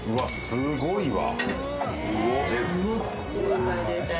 すごいわ。